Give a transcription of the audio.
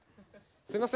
すいません。